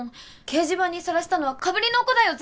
掲示板にさらしたのは被りの子だよ！